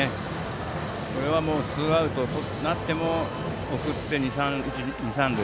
これはツーアウトになっても送って、二、三塁。